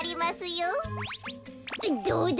どうだ！